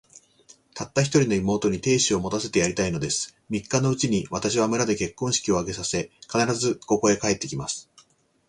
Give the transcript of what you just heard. たった一人の妹に、亭主を持たせてやりたいのです。三日のうちに、私は村で結婚式を挙げさせ、必ず、ここへ帰って来ます。